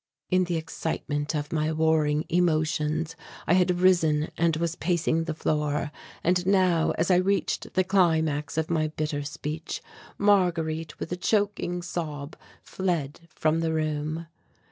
In the excitement of my warring emotions I had risen and was pacing the floor, and now as I reached the climax of my bitter speech, Marguerite, with a choking sob, fled from the room.